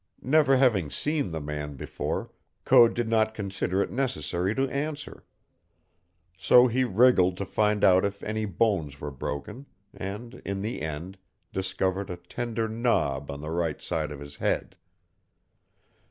Never having seen the man before, Code did not consider it necessary to answer. So he wriggled to find out if any bones were broken, and, in the end, discovered a tender knob on the right side of his head.